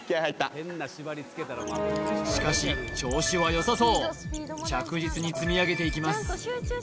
しかし調子はよさそう着実に積み上げていきます